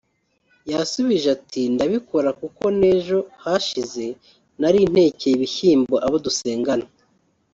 yasubije ati “Ndabikora kuko n’ejo hashize nari ntekeye ibishyimbo abo dusengana